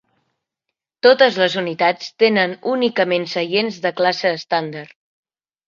Totes les unitats tenen únicament seients de classe estàndard.